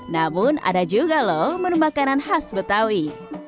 namun ada juga loh menu makanan khas betawi